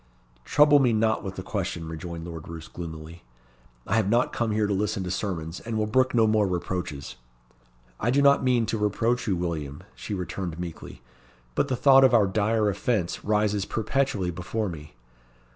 "Trouble me not with the question," rejoined Lord Roos gloomily; "I have not come here to listen to sermons, and will brook no more reproaches." "I do not mean to reproach you, William," she returned meekly; "but the thought of our dire offence rises perpetually before me.